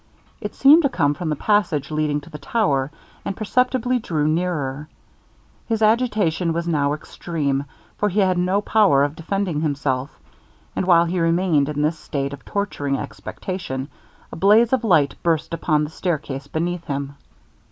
It seemed to come from the passage leading to the tower, and perceptibly drew nearer. His agitation was now extreme, for he had no power of defending himself, and while he remained in this state of torturing expectation, a blaze of light burst upon the stair case beneath him.